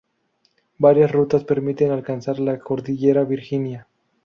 Varias rutas permiten alcanzar la cordillera Virginia.